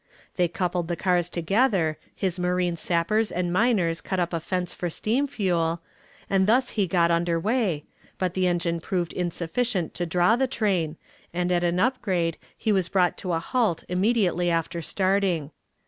They coupled the cars together, his marine sappers and miners cut up a fence for steam fuel, and thus he got under way, but the engine proved insufficient to draw the train, and at an up grade he was brought to a halt immediately after starting.